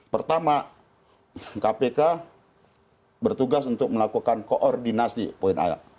pertama kpk bertugas untuk melakukan koordinasi poin ayat